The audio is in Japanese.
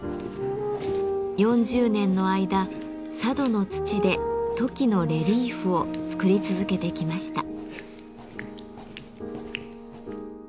４０年の間佐渡の土でトキのレリーフを作り続けてきました。